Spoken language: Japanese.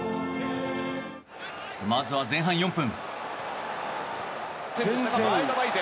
まずは前半４分。